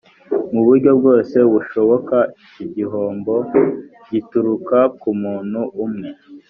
mu buryo bwose bushoboka igihombo gituruka ku muntu umwe